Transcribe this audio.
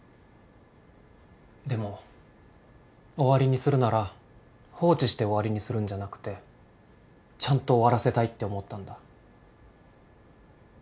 でも終わりにするなら放置して終わりにするんじゃなくてちゃんと終わらせたいって思ったんだ。